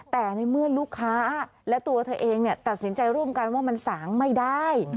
แต่ในเมื่อลูกค้าและตัวเธอเองตัดสินใจร่วมกันว่ามันสางไม่ได้